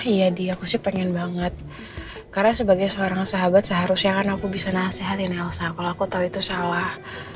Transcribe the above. iya di aku sih pengen banget karena sebagai seorang sahabat seharusnya kan aku bisa nasehatin elsa kalau aku tahu itu salah